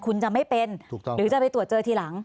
คุณจะไม่เป็นหรือจะไปตรวจเจอทีหลัง